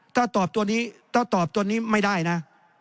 ถ้าตอบตัวนี้ถ้าตอบตัวนี้ไม่ได้นะ